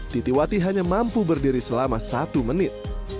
titiwati hanya mampu berdiri selama satu menit